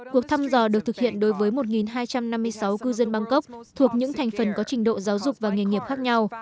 cuộc thăm dò được thực hiện đối với một hai trăm năm mươi sáu cư dân bangkok thuộc những thành phần có trình độ giáo dục và nghề nghiệp khác nhau